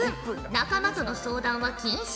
仲間との相談は禁止。